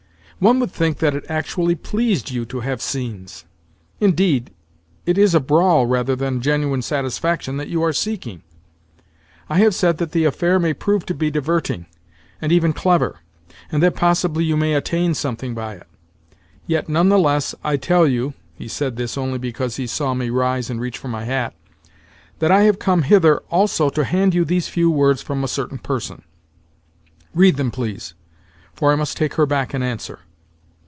"One would think that it actually pleased you to have scenes! Indeed, it is a brawl rather than genuine satisfaction that you are seeking. I have said that the affair may prove to be diverting, and even clever, and that possibly you may attain something by it; yet none the less I tell you" (he said this only because he saw me rise and reach for my hat) "that I have come hither also to hand you these few words from a certain person. Read them, please, for I must take her back an answer."